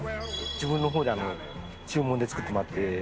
自分のほうで注文して作ってもらって。